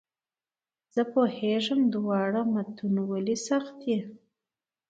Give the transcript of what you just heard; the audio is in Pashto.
زه پوهېږم دواړه متون ولې سخت دي.